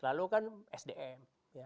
lalu kan sdm